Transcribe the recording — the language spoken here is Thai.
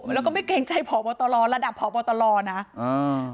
แล้วก็ไม่เกรงใจระดับเผาเบาเตอรอนะอืม